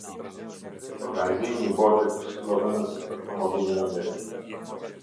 Organizimi i Bordit Këshillëdhënës për Promovimin e Investimeve.